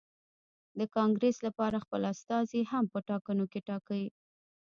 د کانګرېس لپاره خپل استازي هم په ټاکنو کې ټاکي.